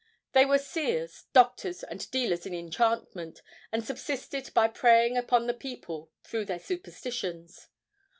They were seers, doctors and dealers in enchantment, and subsisted by preying upon the people through their superstitions.